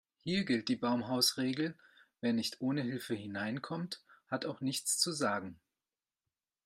Hier gilt die Baumhausregel: Wer nicht ohne Hilfe hineinkommt, hat auch nichts zu sagen.